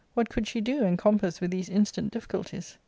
What could she do, encompassed with these instant difficulties